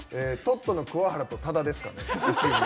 トットの桑原と多田ですかね。